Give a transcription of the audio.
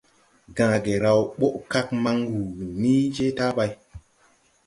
Gããgé raw boʼo kag man wuu ni je tabay.